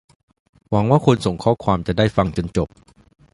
หวังว่าคนส่งข้อความจะได้ฟังจนจบ